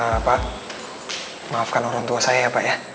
ah pak maafkan orang tua saya ya pak ya